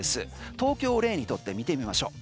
東京を例に取って見てみましょう。